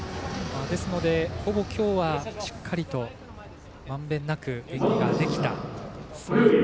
ですので、ほぼきょうはしっかりとまんべんなく演技ができた。